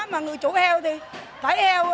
mà người chủ heo thì phải heo